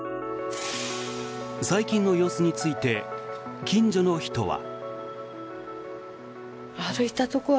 最近の様子について近所の人は。